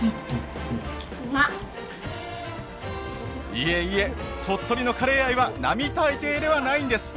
いえいえ鳥取のカレー愛は並大抵ではないんです。